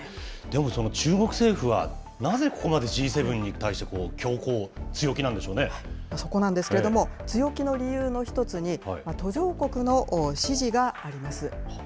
でもその中国政府はなぜここまでＧ７に対して強硬、そこなんですけれども、強気の理由の一つに、途上国の支持があります。